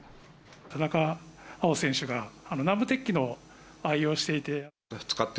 田中碧選手が南部鉄器を愛用していて。